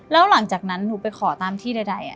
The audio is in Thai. แล้วหลังจากนั้นหนูไปขอตามที่ใด